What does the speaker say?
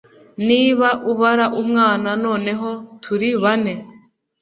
niba ubara umwana, noneho turi bane.